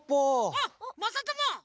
あっまさとも！